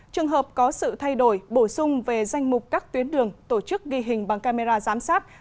trường hợp có sự thay đổi bổ sung về danh mục các tuyến đường tổ chức ghi hình bằng camera giám sát